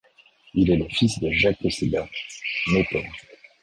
Il est le fils de Jacques Aussedat, notaire.